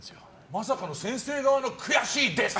まさかの先生側の悔しいです！